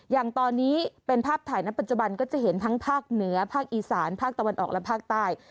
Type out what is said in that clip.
อย่างตอนนี้เป็นภาพถ่ายณปัจจุบันก็จะเห็นทั้งภาคเหนือภาคอีสานภาคตะวันออกและภาคใต้